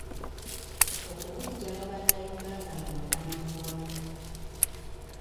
Okubuggya mu bannayuganda munda mu ggwanga.